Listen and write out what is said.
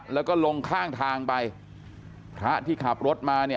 แล้วก็ลงข้างทางไปพระที่ขับรถมาเนี่ย